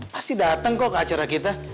pasti datang kok ke acara kita